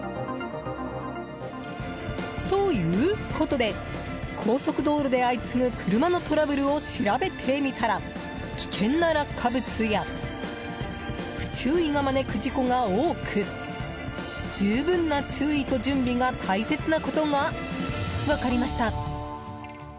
ということで、高速道路で相次ぐ車のトラブルを調べてみたら危険な落下物や不注意が招く事故が多く十分な注意と準備が大切なことが分かりました。